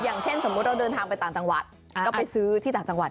อย่างเช่นสมมุติเราเดินทางไปต่างจังหวัดก็ไปซื้อที่ต่างจังหวัด